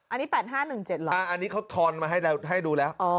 อันนี้๘๕๑๗เหรออันนี้เขาทอนมาให้ดูแล้ว